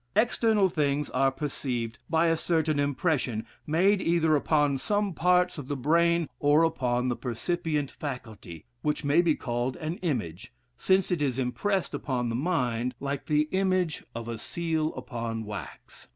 External things are perceived by a certain impression, made either upon some parts of the brain, or upon the percipient faculty, which may be called an image, since it is impressed upon the mind, like the image of a seal upon wax.